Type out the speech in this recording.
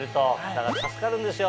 だから助かるんですよ